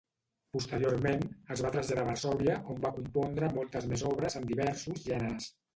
Posteriorment, es va traslladar a Varsòvia on va compondre moltes més obres en diversos gèneres.